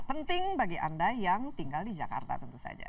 penting bagi anda yang tinggal di jakarta tentu saja